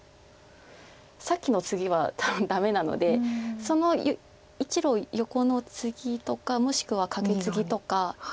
さっきのツギは多分ダメなのでその１路横のツギとかもしくはカケツギとか。